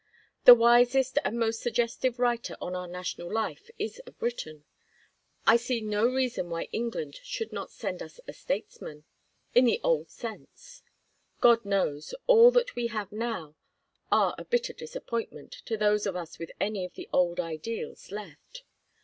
The wisest and most suggestive writer on our national life is a Briton. I see no reason why England should not send us a statesman in the old sense. God knows, all that we have now are a bitter disappointment to those of us with any of the old ideals left.